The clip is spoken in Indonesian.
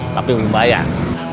tapi belum bayar